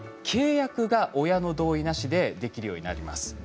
契約が親の同意なしでできるようになります。